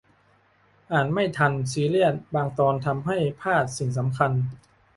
อ่านไม่ทัน ซีเรียส บางตอนทำให้พลาดสิ่งสำคัญ